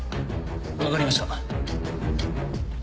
分かりました。